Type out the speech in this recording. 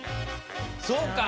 そうか！